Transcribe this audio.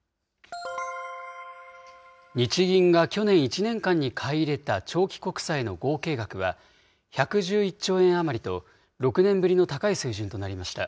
日銀が去年１年間に買い入れた長期国債の合計額は１１１兆円余りと６年ぶりの高い水準となりました。